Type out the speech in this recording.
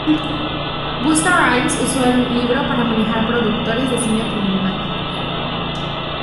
Busta Rhymes usó el libro para manejar productores de cine problemáticos.